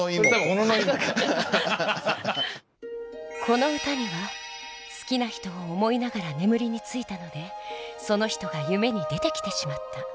この歌には「好きな人を思いながら眠りについたのでその人が夢に出てきてしまった。